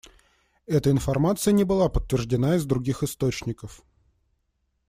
Эта информация не была подтверждена из других источников.